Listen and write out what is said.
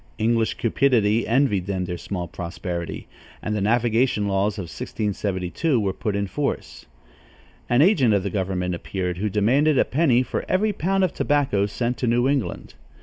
English cupidity envied them their small prosperity, and the navigation laws of 1672 were put in force. An agent of the government appeared, who demanded a penny for every pound of tobacco sent to New England.